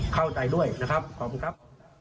เข้าใจด้วยนะครับขอบคุณครับ